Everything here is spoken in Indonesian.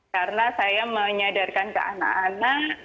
karena saya menyadarkan ke anak anak